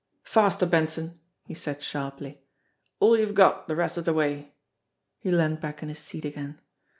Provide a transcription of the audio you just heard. "Faster, Benson!" he said sharply. "All you've got the rest of the way !" He leaned back in his seat again.